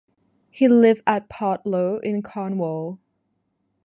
He lived at Portloe in Cornwall.